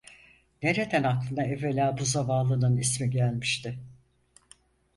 Nereden aklına evvela bu zavallının ismi gelmişti?